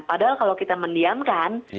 padahal kalau kita mendiamkan